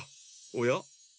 おや？